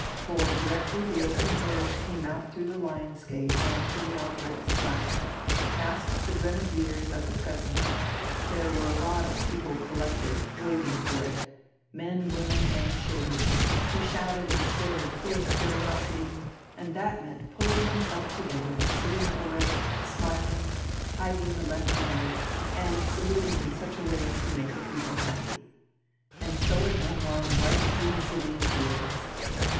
For, directly the open carriage came out through the Lions Gate on to the Albrechtsplatz, past the grenadiers at the "present," there were a lot of people collected, waiting for it men, women, and children, who shouted and stared full of curiosity; and that meant pulling oneself together, sitting up erect, smiling, hiding the left hand, and saluting in such a way as to make the people happy. And so it went on right through the city and the fields.